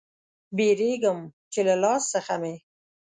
بیریږم چې له لاس څخه مې